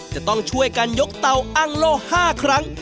จะต้องช่วยกันยกเตาอ้างโล่๕ครั้ง